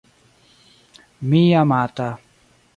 Mi amata